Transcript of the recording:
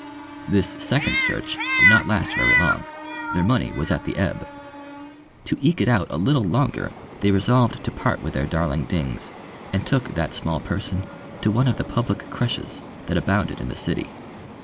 This second search did not last very long. Their money was at the ebb. To eke it out a little longer they resolved to part with their darling Dings, and took that small person to one of the public creches that abounded in the city.